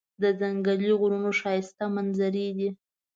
د ځنګلي غرونو ښایسته منظرې دي.